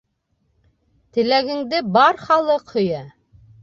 Теләгеңде бар халыҡ һөйә.